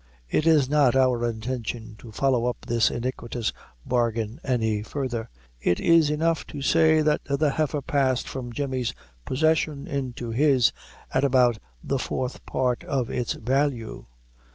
It is not our intention to follow up this iniquitous bargain any further; it is enough to say that the heifer passed from Jemmy's possession into his, at about the fourth part of its value.